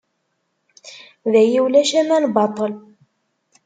Dayi ulac aman baṭel.